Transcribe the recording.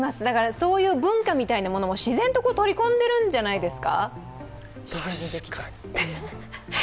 そういう文化みたいなものも自然と取り込んでるんじゃないですか？